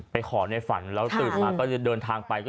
ขอในฝันแล้วตื่นมาก็จะเดินทางไป